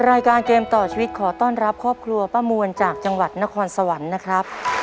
รายการเกมต่อชีวิตขอต้อนรับครอบครัวป้ามวลจากจังหวัดนครสวรรค์นะครับ